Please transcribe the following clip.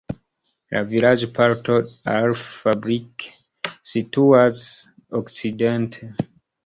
La vilaĝparto Alf-Fabrik situas okcidente.